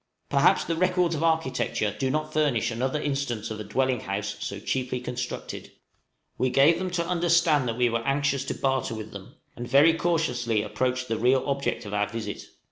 Perhaps the records of architecture do not furnish another instance of a dwelling house so cheaply constructed! {INFORMATION FROM ESQUIMAUX.} We gave them to understand that we were anxious to barter with them, and very cautiously approached the real object of our visit.